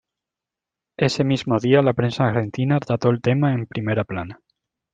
Ese mismo día la prensa argentina trató el tema en primera plana.